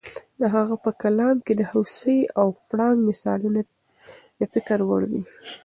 د هغه په کلام کې د هوسۍ او پړانګ مثالونه د فکر وړ دي.